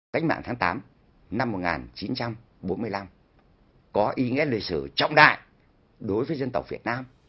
cách mạng tháng tám năm một nghìn chín trăm bốn mươi năm có ý nghĩa lịch sử trọng đại đối với dân tộc việt nam